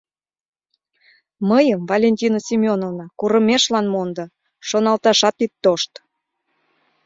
Мыйым, Валентина Семёновна, курымешлан мондо, шоналташат ит тошт!